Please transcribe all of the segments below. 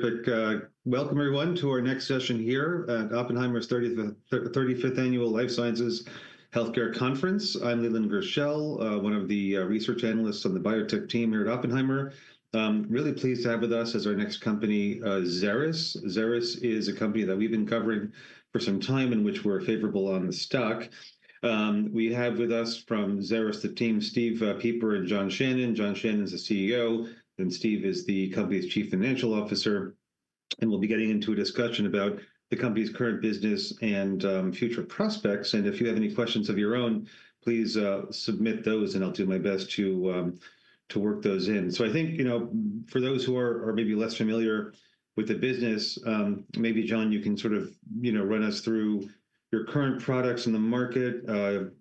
Terrific. Welcome, everyone, to our next session here at Oppenheimer's 35th Annual Life Sciences Healthcare Conference. I'm Leland Gershell, one of the research analysts on the biotech team here at Oppenheimer. Really pleased to have with us as our next company, Xeris. Xeris is a company that we've been covering for some time and which we're favorable on the stock. We have with us from Xeris the team, Steve Pieper and John Shannon. John Shannon is the CEO, and Steve is the company's Chief Financial Officer. We'll be getting into a discussion about the company's current business and future prospects. If you have any questions of your own, please submit those, and I'll do my best to work those in. So I think, you know, for those who are maybe less familiar with the business, maybe, John, you can sort of, you know, run us through your current products in the market.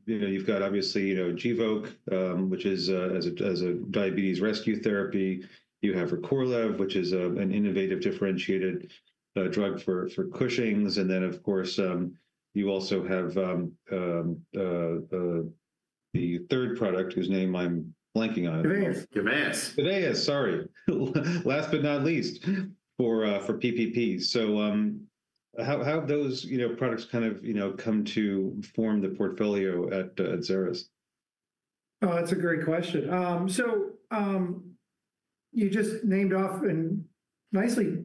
You've got, obviously, you know, Gvoke, which is as a diabetes rescue therapy. You have Recorlev, which is an innovative differentiated drug for Cushing's. And then, of course, you also have the third product whose name I'm blanking on. Keveyis. Keveyis. Keveyis, sorry. Last but not least for PPP. So how have those, you know, products kind of, you know, come to form the portfolio at Xeris? Oh, that's a great question. So you just named off and nicely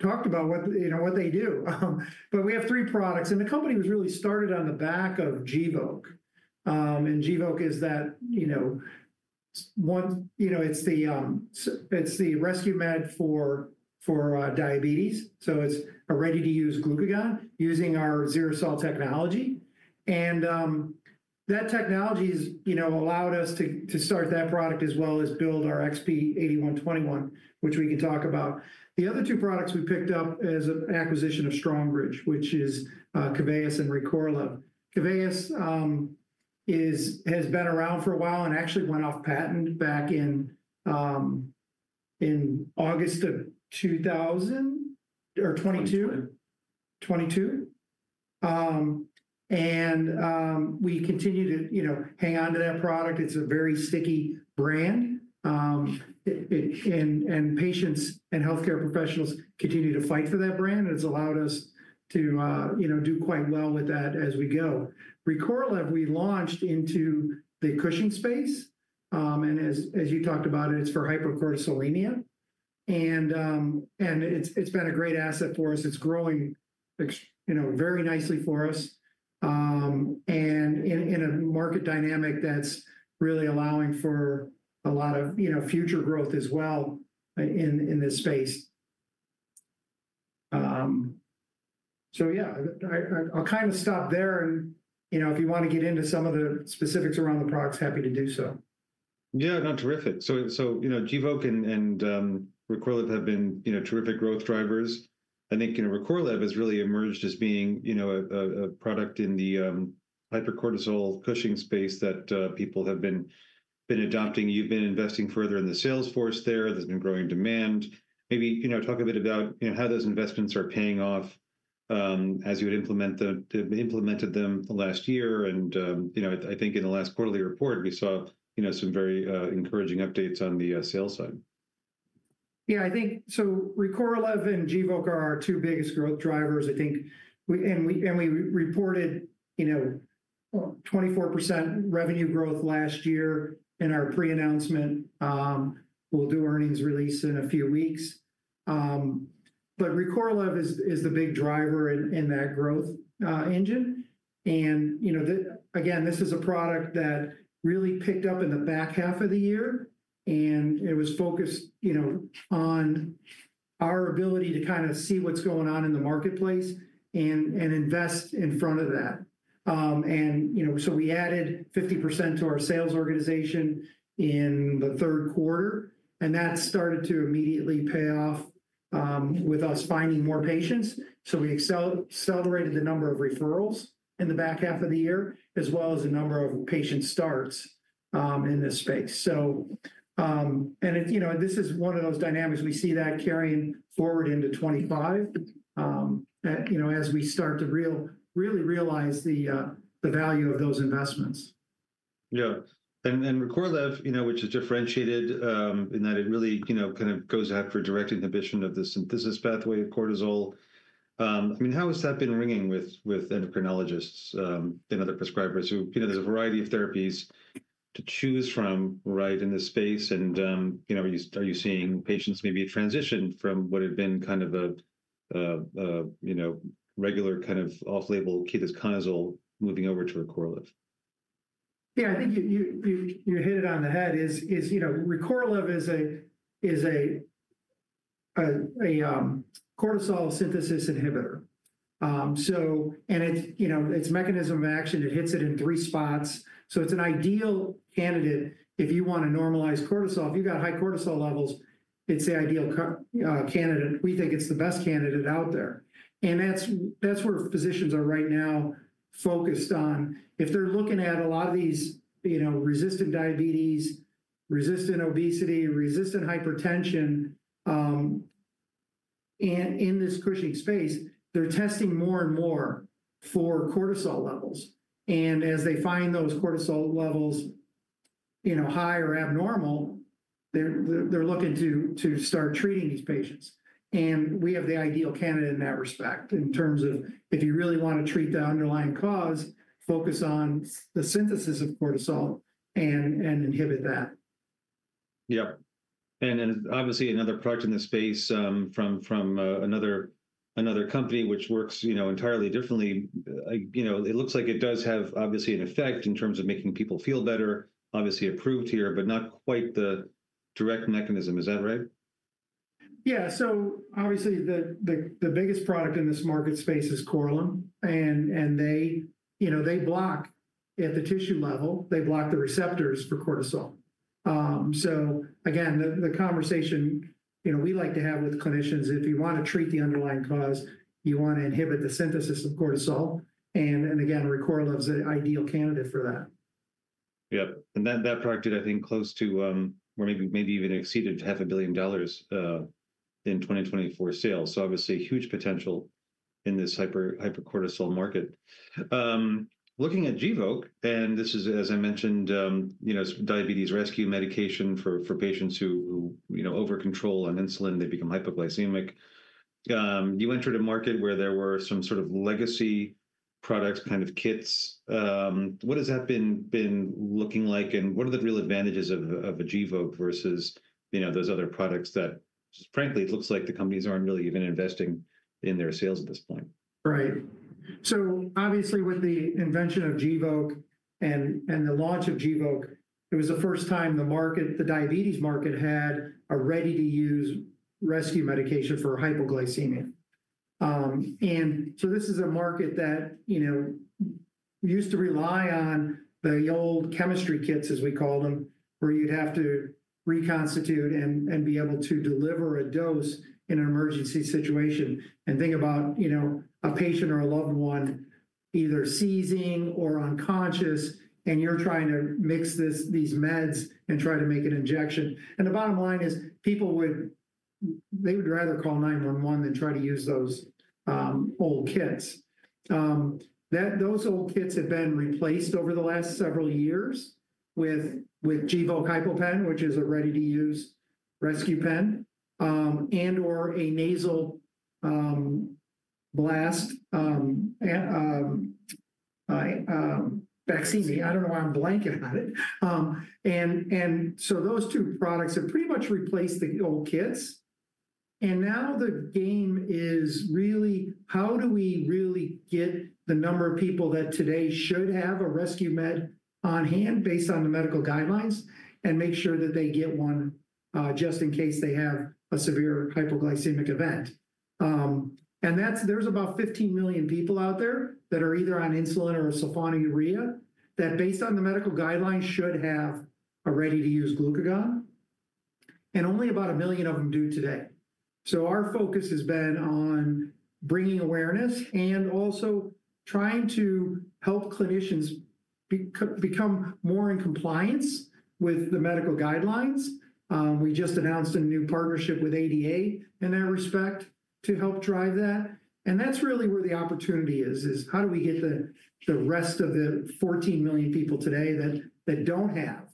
talked about what they do. But we have three products, and the company was really started on the back of Gvoke. And Gvoke is that, you know, you know, it's the rescue med for diabetes. So it's a ready-to-use glucagon using our XeriSol technology. And that technology has, you know, allowed us to start that product as well as build our XP-8121, which we can talk about. The other two products we picked up as an acquisition of Strongbridge, which is Keveyis and Recorlev. Keveyis has been around for a while and actually went off patent back in August of 2000 or 2022. '22. We continue to, you know, hang on to that product. It's a very sticky brand. And patients and healthcare professionals continue to fight for that brand. And it's allowed us to, you know, do quite well with that as we go. Recorlev, we launched into the Cushing space. And as you talked about it, it's for hypercortisolism. And it's been a great asset for us. It's growing, you know, very nicely for us and in a market dynamic that's really allowing for a lot of, you know, future growth as well in this space. So yeah, I'll kind of stop there. And, you know, if you want to get into some of the specifics around the products, happy to do so. Yeah, no, terrific. So Gvoke and Recorlev have been, you know, terrific growth drivers. I think, you know, Recorlev has really emerged as being, you know, a product in the hypercortisolism Cushing's space that people have been adopting. You've been investing further in the sales force there. There's been growing demand. Maybe, you know, talk a bit about, you know, how those investments are paying off as you had implemented them last year. And, you know, I think in the last quarterly report, we saw, you know, some very encouraging updates on the sales side. Yeah, I think so. Recorlev and Gvoke are our two biggest growth drivers. I think we reported, you know, 24% revenue growth last year in our pre-announcement. We'll do earnings release in a few weeks, but Recorlev is the big driver in that growth engine. You know, again, this is a product that really picked up in the back half of the year, and it was focused, you know, on our ability to kind of see what's going on in the marketplace and invest in front of that. You know, so we added 50% to our sales organization in the third quarter, and that started to immediately pay off with us finding more patients. So we accelerated the number of referrals in the back half of the year, as well as the number of patient starts in this space. You know, this is one of those dynamics we see that carrying forward into 2025, you know, as we start to really realize the value of those investments. Yeah. And Recorlev, you know, which is differentiated in that it really, you know, kind of goes after direct inhibition of the synthesis pathway of cortisol. I mean, how has that been ringing with endocrinologists and other prescribers who, you know, there's a variety of therapies to choose from, right, in this space? And, you know, are you seeing patients maybe transition from what had been kind of a, you know, regular kind of off-label ketoconazole moving over to Recorlev? Yeah, I think you hit it on the head. Recorlev is a cortisol synthesis inhibitor, so and it's, you know, its mechanism of action, it hits it in three spots, so it's an ideal candidate if you want to normalize cortisol. If you've got high cortisol levels, it's the ideal candidate. We think it's the best candidate out there, and that's where physicians are right now focused on. If they're looking at a lot of these, you know, resistant diabetes, resistant obesity, resistant hypertension, and in this Cushing space, they're testing more and more for cortisol levels. And as they find those cortisol levels, you know, high or abnormal, they're looking to start treating these patients, and we have the ideal candidate in that respect in terms of if you really want to treat the underlying cause, focus on the synthesis of cortisol and inhibit that. Yeah. And obviously, another product in this space from another company, which works, you know, entirely differently, you know, it looks like it does have obviously an effect in terms of making people feel better, obviously approved here, but not quite the direct mechanism. Is that right? Yeah. So obviously, the biggest product in this market space is Korlym. And they, you know, they block at the tissue level, they block the receptors for cortisol. So again, the conversation, you know, we like to have with clinicians, if you want to treat the underlying cause, you want to inhibit the synthesis of cortisol. And again, Recorlev is the ideal candidate for that. Yep. And that product did, I think, close to, or maybe even exceeded $500 million in 2024 sales, so obviously, huge potential in this hypercortisolism market. Looking at Gvoke, and this is, as I mentioned, you know, diabetes rescue medication for patients who, you know, over control on insulin, they become hypoglycemic. You entered a market where there were some sort of legacy products, kind of kits. What has that been looking like? And what are the real advantages of a Gvoke versus, you know, those other products that, frankly, it looks like the companies aren't really even investing in their sales at this point? Right. So obviously, with the invention of Gvoke and the launch of Gvoke, it was the first time the market, the diabetes market, had a ready-to-use rescue medication for hypoglycemia. And so this is a market that, you know, used to rely on the old chemistry kits, as we call them, where you'd have to reconstitute and be able to deliver a dose in an emergency situation. And think about, you know, a patient or a loved one either seizing or unconscious, and you're trying to mix these meds and try to make an injection. And the bottom line is people would, they would rather call 911 than try to use those old kits. Those old kits have been replaced over the last several years with Gvoke HypoPen, which is a ready-to-use rescue pen, and/or a nasal glucagon. I don't know why I'm blanking on it. And so those two products have pretty much replaced the old kits. And now the game is really, how do we really get the number of people that today should have a rescue med on hand based on the medical guidelines and make sure that they get one just in case they have a severe hypoglycemic event? And there's about 15 million people out there that are either on insulin or sulfonylurea that, based on the medical guidelines, should have a ready-to-use glucagon. And only about a million of them do today. So our focus has been on bringing awareness and also trying to help clinicians become more in compliance with the medical guidelines. We just announced a new partnership with ADA in that respect to help drive that. And that's really where the opportunity is, is how do we get the rest of the 14 million people today that don't have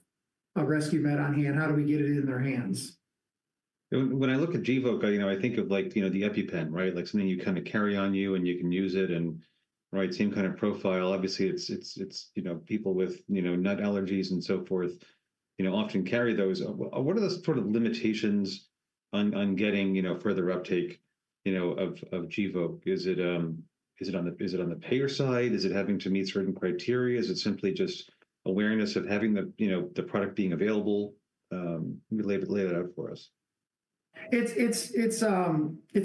a rescue med on hand, how do we get it in their hands? When I look at Gvoke, you know, I think of like, you know, the EpiPen, right? Like something you kind of carry on you and you can use it and, right, same kind of profile. Obviously, it's, you know, people with, you know, nut allergies and so forth, you know, often carry those. What are the sort of limitations on getting, you know, further uptake, you know, of Gvoke? Is it on the payer side? Is it having to meet certain criteria? Is it simply just awareness of having the, you know, the product being available? Lay that out for us. It's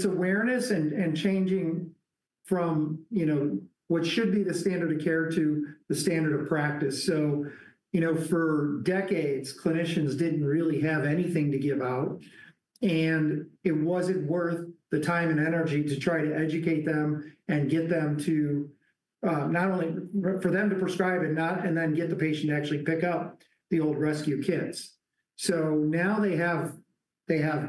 awareness and changing from, you know, what should be the standard of care to the standard of practice. So, you know, for decades, clinicians didn't really have anything to give out. And it wasn't worth the time and energy to try to educate them and get them to not only for them to prescribe and not and then get the patient to actually pick up the old rescue kits. So now they have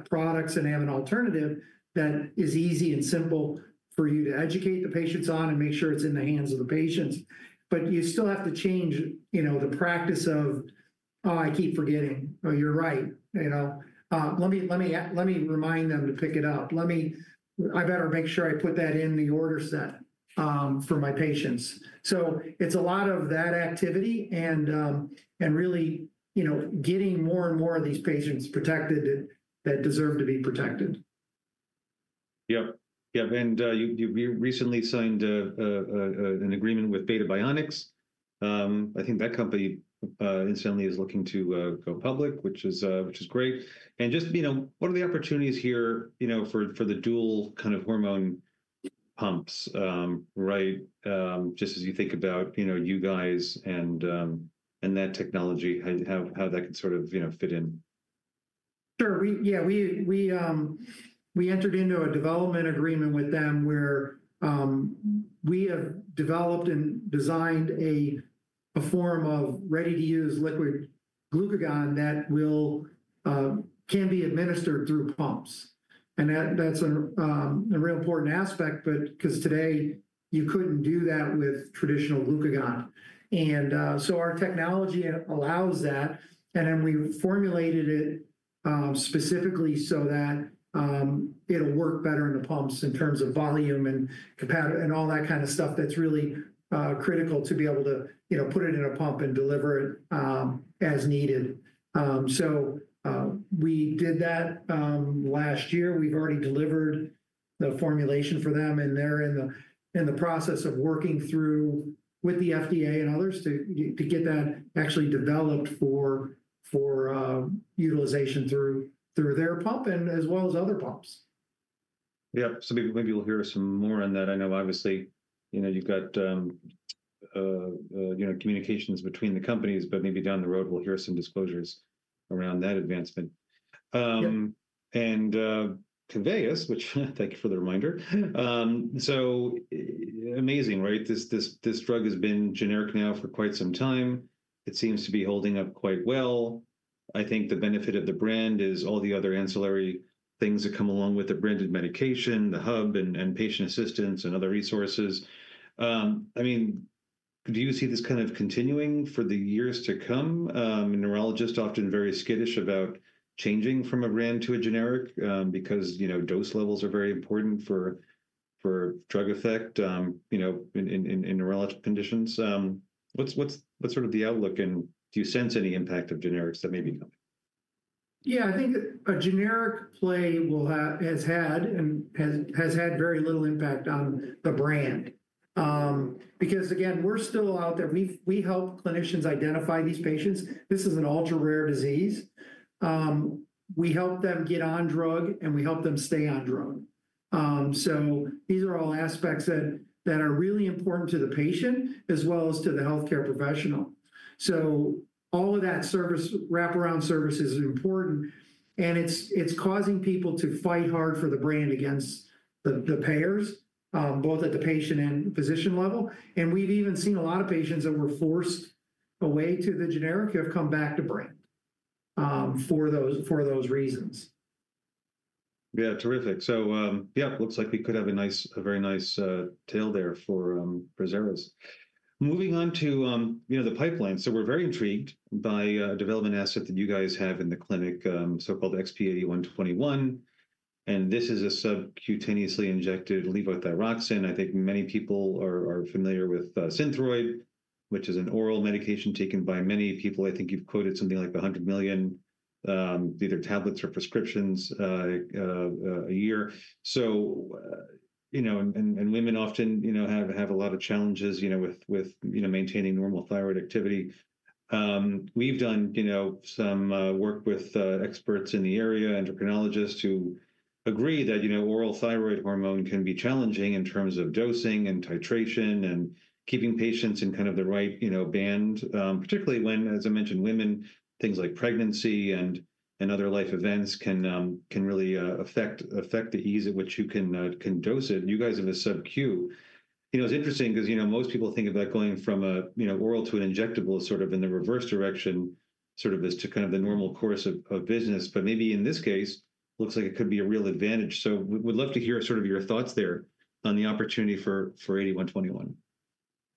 products and have an alternative that is easy and simple for you to educate the patients on and make sure it's in the hands of the patients. But you still have to change, you know, the practice of, oh, I keep forgetting. Oh, you're right. You know, let me remind them to pick it up. Let me, I better make sure I put that in the order set for my patients. So it's a lot of that activity and really, you know, getting more and more of these patients protected that deserve to be protected. Yep. Yep. And you recently signed an agreement with Beta Bionics. I think that company incidentally is looking to go public, which is great. And just, you know, what are the opportunities here, you know, for the dual kind of hormone pumps, right? Just as you think about, you know, you guys and that technology, how that can sort of, you know, fit in. Sure. Yeah. We entered into a development agreement with them where we have developed and designed a form of ready-to-use liquid glucagon that can be administered through pumps. And that's a real important aspect, but because today you couldn't do that with traditional glucagon. And so our technology allows that. And then we formulated it specifically so that it'll work better in the pumps in terms of volume and all that kind of stuff that's really critical to be able to, you know, put it in a pump and deliver it as needed. So we did that last year. We've already delivered the formulation for them. And they're in the process of working through with the FDA and others to get that actually developed for utilization through their pump and as well as other pumps. Yep. So maybe we'll hear some more on that. I know obviously, you know, you've got, you know, communications between the companies, but maybe down the road, we'll hear some disclosures around that advancement. And Keveyis, which thank you for the reminder. So amazing, right? This drug has been generic now for quite some time. It seems to be holding up quite well. I think the benefit of the brand is all the other ancillary things that come along with the branded medication, the hub and patient assistance and other resources. I mean, do you see this kind of continuing for the years to come? Neurologists often very skittish about changing from a brand to a generic because, you know, dose levels are very important for drug effect, you know, in neurologic conditions. What's sort of the outlook and do you sense any impact of generics that may be coming? Yeah, I think a generic play has had very little impact on the brand. Because again, we're still out there. We help clinicians identify these patients. This is an ultra-rare disease. We help them get on drug and we help them stay on drug. So these are all aspects that are really important to the patient as well as to the healthcare professional. So all of that wraparound service is important. And it's causing people to fight hard for the brand against the payers, both at the patient and physician level. And we've even seen a lot of patients that were forced away to the generic who have come back to brand for those reasons. Yeah, terrific. So yeah, it looks like we could have a very nice tail there for Xeris. Moving on to, you know, the pipeline. So we're very intrigued by a development asset that you guys have in the clinic, so-called XP-8121. And this is a subcutaneously injected levothyroxine. I think many people are familiar with Synthroid, which is an oral medication taken by many people. I think you've quoted something like 100 million, either tablets or prescriptions a year. So, you know, and women often, you know, have a lot of challenges, you know, with maintaining normal thyroid activity. We've done, you know, some work with experts in the area, endocrinologists who agree that, you know, oral thyroid hormone can be challenging in terms of dosing and titration and keeping patients in kind of the right, you know, band, particularly when, as I mentioned, women, things like pregnancy and other life events can really affect the ease at which you can dose it. You guys have a SubQ. You know, it's interesting because, you know, most people think about going from a, you know, oral to an injectable sort of in the reverse direction, sort of as to kind of the normal course of business. But maybe in this case, it looks like it could be a real advantage. So we'd love to hear sort of your thoughts there on the opportunity for 8121.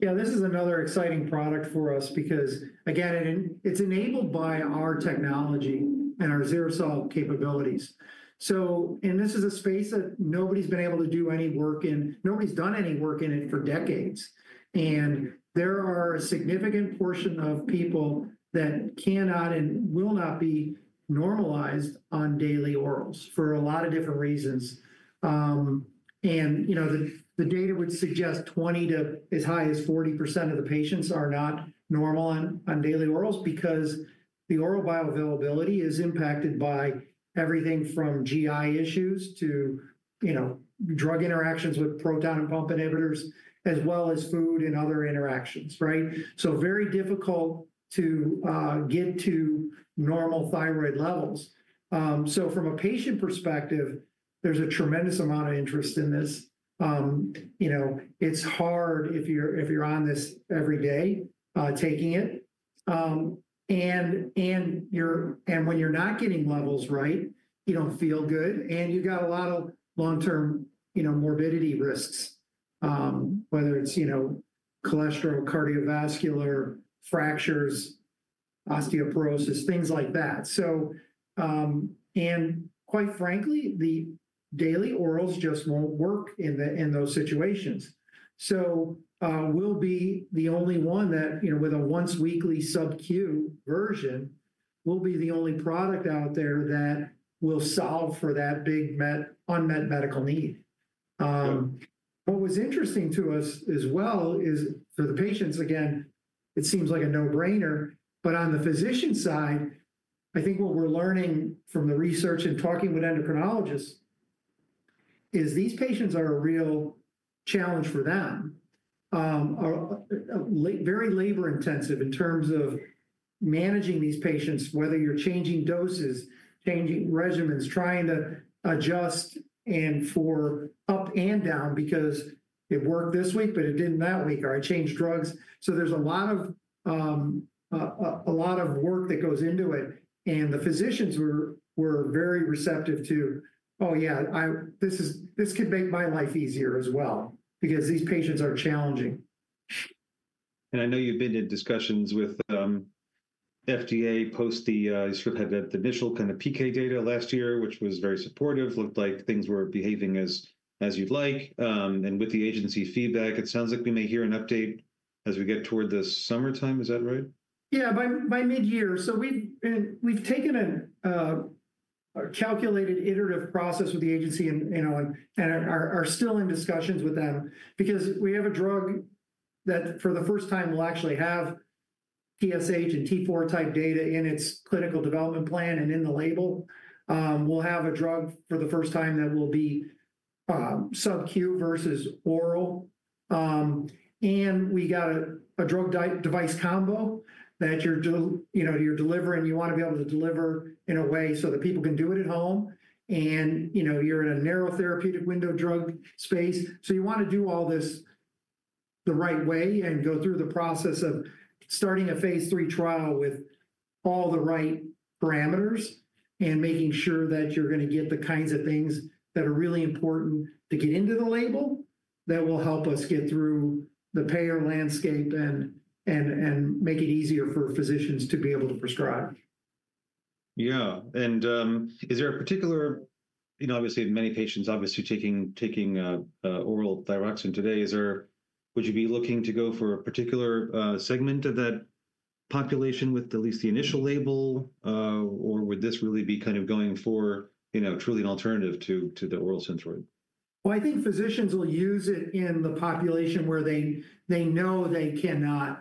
Yeah, this is another exciting product for us because, again, it's enabled by our technology and our XeriSol capabilities. So, and this is a space that nobody's been able to do any work in. Nobody's done any work in it for decades. And there are a significant portion of people that cannot and will not be normalized on daily orals for a lot of different reasons. And, you know, the data would suggest 20% to as high as 40% of the patients are not normal on daily orals because the oral bioavailability is impacted by everything from GI issues to, you know, drug interactions with proton pump inhibitors, as well as food and other interactions, right? So very difficult to get to normal thyroid levels. So from a patient perspective, there's a tremendous amount of interest in this. You know, it's hard if you're on this every day taking it. And when you're not getting levels right, you don't feel good. And you've got a lot of long-term, you know, morbidity risks, whether it's, you know, cholesterol, cardiovascular fractures, osteoporosis, things like that. So, and quite frankly, the daily orals just won't work in those situations. So we'll be the only one that, you know, with a once-weekly SubQ version, we'll be the only product out there that will solve for that big unmet medical need. What was interesting to us as well is for the patients, again, it seems like a no-brainer, but on the physician side, I think what we're learning from the research and talking with endocrinologists is these patients are a real challenge for them, very labor-intensive in terms of managing these patients, whether you're changing doses, changing regimens, trying to adjust and for up and down because it worked this week, but it didn't that week, or I changed drugs. So there's a lot of work that goes into it, and the physicians were very receptive to, "Oh yeah, this could make my life easier as well because these patients are challenging." I know you've been in discussions with FDA post the, you sort of had the initial kind of PK data last year, which was very supportive. Looked like things were behaving as you'd like. With the agency feedback, it sounds like we may hear an update as we get toward the summertime. Is that right? Yeah, by mid-year. So we've taken a calculated iterative process with the agency and are still in discussions with them because we have a drug that for the first time will actually have TSH and T4 type data in its clinical development plan and in the label. We'll have a drug for the first time that will be SubQ versus oral. And we got a drug-device combo that you're delivering, you want to be able to deliver in a way so that people can do it at home. And, you know, you're in a narrow therapeutic window drug space. So you want to do all this the right way and go through the process of starting a phase three trial with all the right parameters and making sure that you're going to get the kinds of things that are really important to get into the label that will help us get through the payer landscape and make it easier for physicians to be able to prescribe. Yeah, and is there a particular, you know, obviously many patients obviously taking oral thyroxine today? Would you be looking to go for a particular segment of that population with at least the initial label, or would this really be kind of going for, you know, truly an alternative to the oral Synthroid? I think physicians will use it in the population where they know they cannot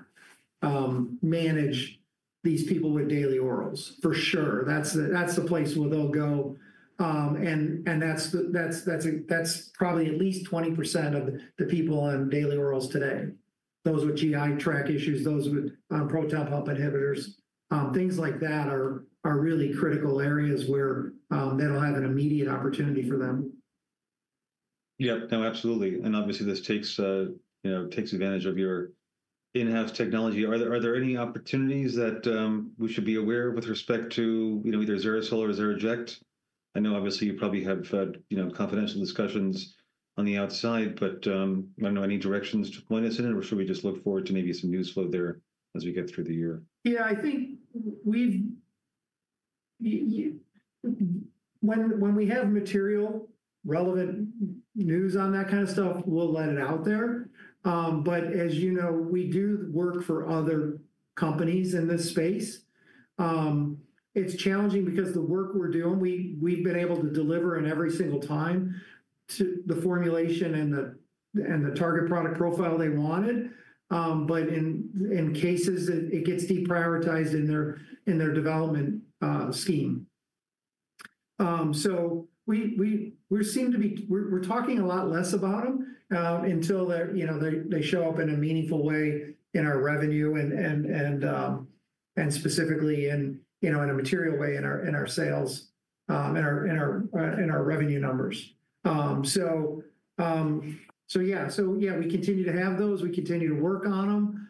manage these people with daily orals for sure. That's the place where they'll go. That's probably at least 20% of the people on daily orals today. Those with GI tract issues, those with proton pump inhibitors, things like that are really critical areas where they don't have an immediate opportunity for them. Yep. No, absolutely. And obviously this takes advantage of your in-house technology. Are there any opportunities that we should be aware of with respect to, you know, either XeriSol or XeriJect? I know obviously you probably have, you know, confidential discussions on the outside, but I don't know any directions to point us in it, or should we just look forward to maybe some news flow there as we get through the year? Yeah, I think when we have material relevant news on that kind of stuff, we'll let it out there. But as you know, we do work for other companies in this space. It's challenging because the work we're doing, we've been able to deliver in every single time the formulation and the target product profile they wanted. But in cases, it gets deprioritized in their development scheme. So we seem to be, we're talking a lot less about them until they show up in a meaningful way in our revenue and specifically in, you know, in a material way in our sales and our revenue numbers. So yeah, so yeah, we continue to have those. We continue to work on them.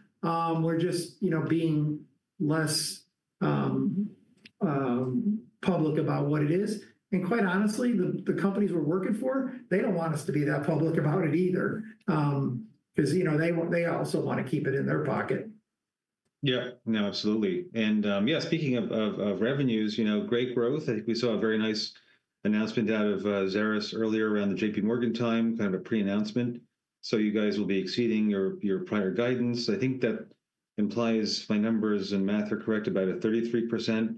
We're just, you know, being less public about what it is. Quite honestly, the companies we're working for, they don't want us to be that public about it either. Because, you know, they also want to keep it in their pocket. Yep. No, absolutely. And yeah, speaking of revenues, you know, great growth. I think we saw a very nice announcement out of Xeris earlier around the J.P. Morgan time, kind of a pre-announcement. So you guys will be exceeding your prior guidance. I think that implies my numbers and math are correct about a 33%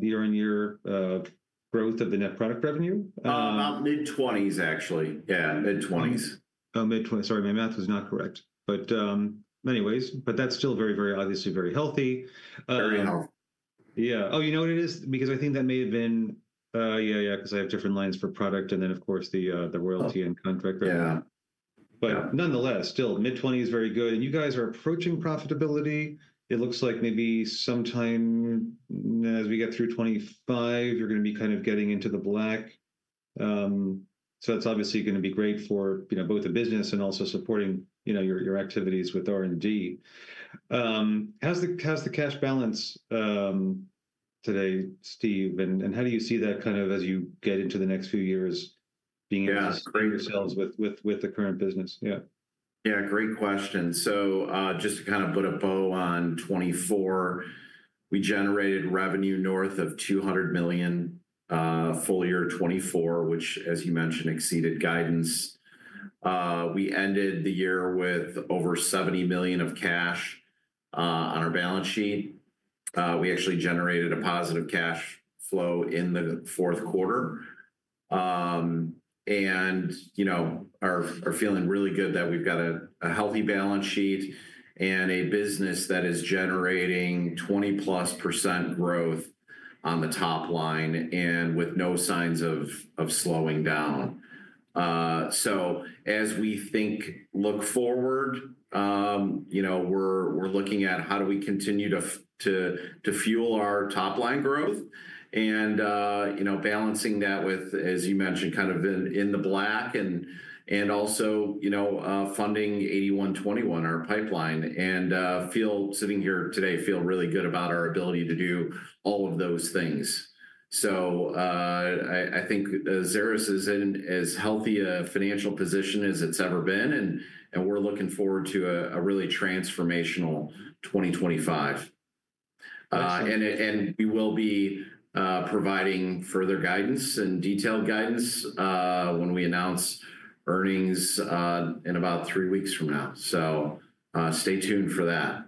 year-on-year growth of the net product revenue. About mid-20s, actually. Yeah, mid-20s. Oh, mid-20s. Sorry, my math was not correct. But anyways, but that's still very, very obviously very healthy. Very healthy. Yeah. Oh, you know what it is? Because I think that may have been, yeah, yeah, because I have different lines for product. And then of course the royalty and contractor. Yeah. But nonetheless, still mid-20s, very good. And you guys are approaching profitability. It looks like maybe sometime as we get through 25, you're going to be kind of getting into the black. So that's obviously going to be great for, you know, both the business and also supporting, you know, your activities with R&D. How's the cash balance today, Steve? And how do you see that kind of as you get into the next few years being able to support yourselves with the current business? Yeah. Yeah, great question, so just to kind of put a bow on 2024, we generated revenue north of $200 million full year 2024, which, as you mentioned, exceeded guidance. We ended the year with over $70 million of cash on our balance sheet. We actually generated a positive cash flow in the fourth quarter, and you know, are feeling really good that we've got a healthy balance sheet and a business that is generating 20-plus percent growth on the top line and with no signs of slowing down. So as we think, look forward, you know, we're looking at how do we continue to fuel our top line growth and, you know, balancing that with, as you mentioned, kind of in the black and also, you know, funding XP-8121, our pipeline, and sitting here today, feel really good about our ability to do all of those things. So I think Xeris is in as healthy a financial position as it's ever been. And we're looking forward to a really transformational 2025. And we will be providing further guidance and detailed guidance when we announce earnings in about three weeks from now. So stay tuned for that.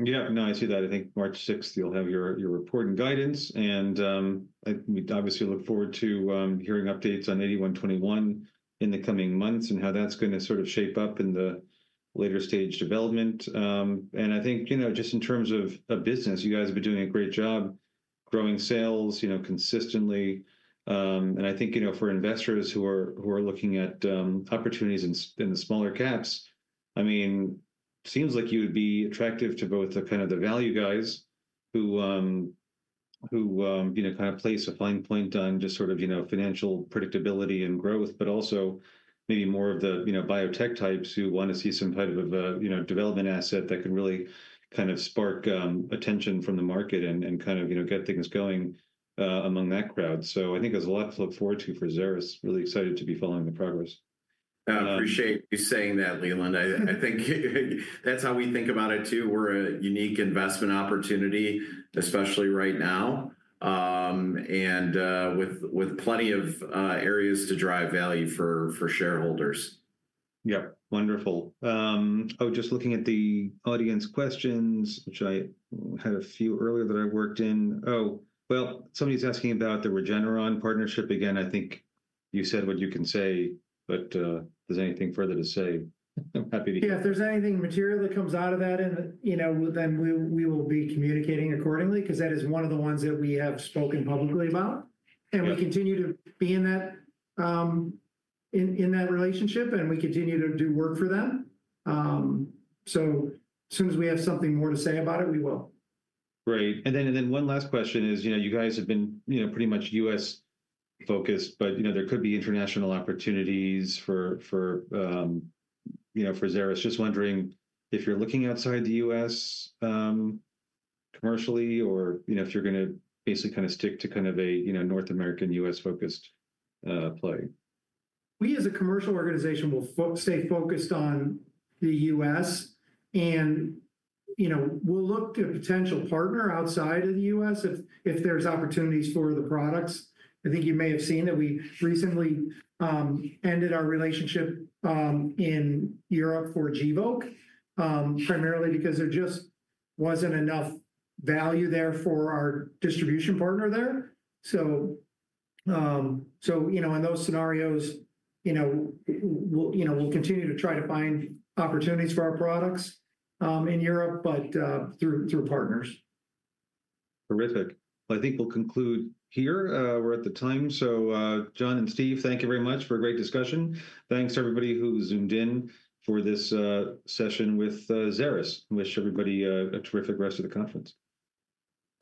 Yep. No, I see that. I think March 6th, you'll have your report and guidance. And I obviously look forward to hearing updates on 8121 in the coming months and how that's going to sort of shape up in the later stage development. And I think, you know, just in terms of business, you guys have been doing a great job growing sales, you know, consistently. I think, you know, for investors who are looking at opportunities in the smaller caps, I mean, it seems like you would be attractive to both the kind of the value guys who kind of place a fine point on just sort of, you know, financial predictability and growth, but also maybe more of the, you know, biotech types who want to see some type of a, you know, development asset that can really kind of spark attention from the market and kind of, you know, get things going among that crowd. I think there's a lot to look forward to for Xeris. Really excited to be following the progress. I appreciate you saying that, Leland. I think that's how we think about it too. We're a unique investment opportunity, especially right now, and with plenty of areas to drive value for shareholders. Yep. Wonderful. Oh, just looking at the audience questions, which I had a few earlier that I worked in. Oh, well, somebody's asking about the Regeneron partnership. Again, I think you said what you can say, but if there's anything further to say, I'm happy to hear. Yeah, if there's anything material that comes out of that, you know, then we will be communicating accordingly because that is one of the ones that we have spoken publicly about. And we continue to be in that relationship and we continue to do work for them. So as soon as we have something more to say about it, we will. Great. And then one last question is, you know, you guys have been, you know, pretty much U.S. focused, but, you know, there could be international opportunities for, you know, for Xeris. Just wondering if you're looking outside the U.S. commercially or, you know, if you're going to basically kind of a, you know, North American U.S. focused play. We as a commercial organization will stay focused on the U.S., and, you know, we'll look to a potential partner outside of the U.S. if there's opportunities for the products. I think you may have seen that we recently ended our relationship in Europe for Gvoke, primarily because there just wasn't enough value there for our distribution partner there, so, you know, in those scenarios, you know, we'll continue to try to find opportunities for our products in Europe, but through partners. Terrific. Well, I think we'll conclude here. We're at the time. So John and Steve, thank you very much for a great discussion. Thanks to everybody who zoomed in for this session with Xeris. Wish everybody a terrific rest of the conference.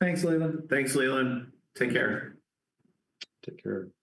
Thanks, Leland. Thanks, Leland. Take care. Take care.